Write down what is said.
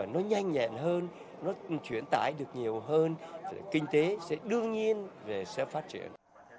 nó nhanh nhẹn hơn nó chuyển tải được nhiều hơn kinh tế sẽ đương nhiên sẽ phát triển